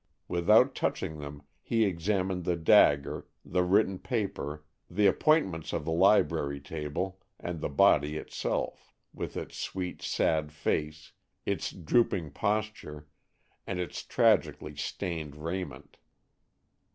Without touching them, he examined the dagger, the written paper, the appointments of the library table, and the body itself, with its sweet, sad face, its drooping posture, and its tragically stained raiment.